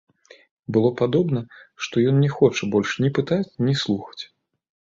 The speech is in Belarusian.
Было падобна, што ён не хоча больш ні пытаць, ні слухаць.